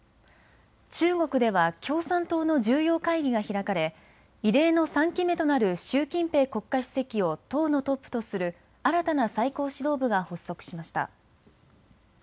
中国では共産党の重要会議が開かれ異例の３期目となる習近平国家主席を党のトップとする新たな最高指導部が発足しました。